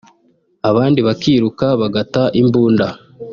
abandi bakiruka bagata imbunda